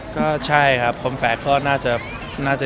ก็ใช่ครับคมแฝดก็น่าจะ